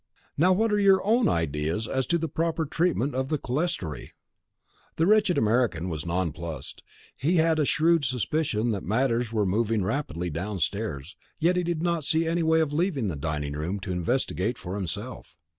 Now what are your own ideas as to the proper treatment of a clerestory?" The wretched American was non plussed. He had a shrewd suspicion that matters were moving rapidly downstairs yet he did not see any way of leaving the dining room to investigate for himself.